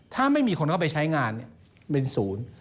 ถ้าไม่มีคนเข้าไปใช้งานเป็นศูนย์